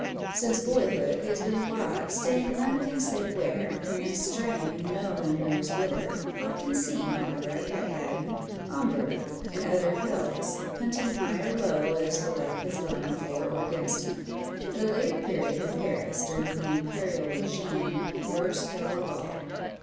Since boyhood he has been abroad, staying none can say where, and straying no one knows whither often seen, however, at Baden, Homburg, and other "hells," punting high or low, as the luck has gone for or against him. At a later period in Paris, during the Imperial regime worst hell of all.